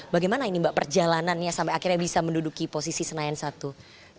bagaimana ini mbak perjalanannya sampai akhirnya bisa menduduki posisi senayan i